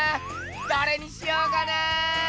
どれにしようかな！